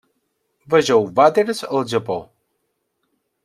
Vegeu Vàters al Japó.